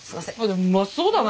でもうまそうだな。